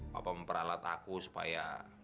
papa memperalat aku supaya